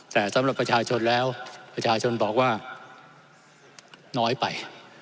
แต่สำหรับประชาชนแล้วประชาชนบอกว่าน้อยไป